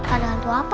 ada hantu apa